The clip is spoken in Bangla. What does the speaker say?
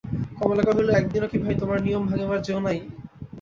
কমলা কহিল, এক দিনও কি ভাই, তোমার নিয়ম ভাঙিবার জো নাই?